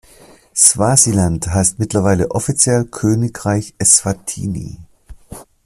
Swasiland heißt mittlerweile offiziell Königreich Eswatini.